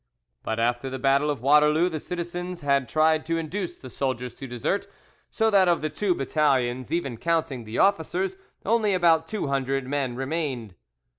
But after the battle of Waterloo the citizens had tried to induce the soldiers to desert, so that of the two battalions, even counting the officers, only about two hundred men remained.